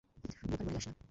বোকার বনে যাস না।